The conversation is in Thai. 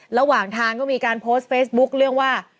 ระหว่างทางก็มีการโพสต์เฟซบุ๊คเรื่องว่า